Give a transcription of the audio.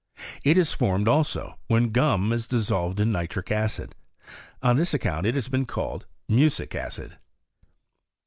It is formed, also, when gum is dissolved in nitric acid ; on this account it has been called, mucic acid.